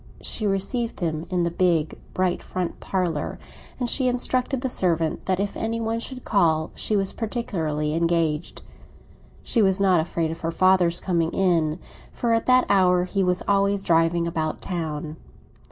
She received him in the big, bright front parlour, and she instructed the servant that if any one should call she was particularly engaged. She was not afraid of her father's coming in, for at that hour he was always driving about town.